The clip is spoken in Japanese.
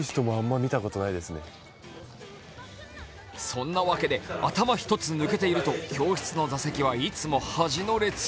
そんなわけで頭一つ抜けていると、教室の座席はいつも端の列。